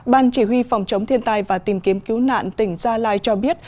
bàn chỉ huy phòng chống thiên tài và tìm kiếm cứu nạn tỉnh gia lai cho biết